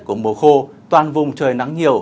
của mùa khô toàn vùng trời nắng nhiều